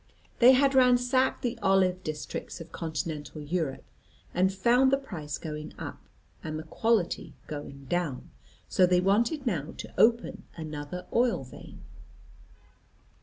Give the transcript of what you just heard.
They had ransacked the olive districts of continental Europe, and found the price going up and the quality going down, so they wanted now to open another oil vein.